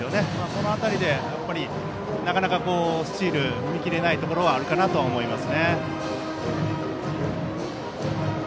その辺りで、なかなかスチールに踏み切れないということがあるかと思います。